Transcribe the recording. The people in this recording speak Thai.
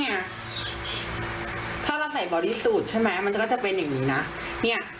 งั้นถ้าเราใส่บอดี้สูตรใช่ไหมมันก็จะเป็นอย่างนี้น่ะ